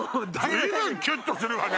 随分キュっとするわね！